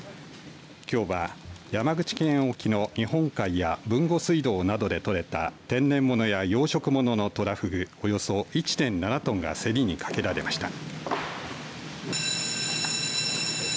きょうは山口県沖の日本海や豊後水道などで取れた天然物や養殖物のトラフグ、およそ１．７トンが競りにかけられました。